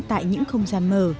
tại những không gian mờ